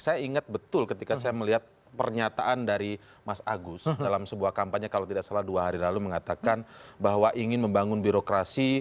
saya ingat betul ketika saya melihat pernyataan dari mas agus dalam sebuah kampanye kalau tidak salah dua hari lalu mengatakan bahwa ingin membangun birokrasi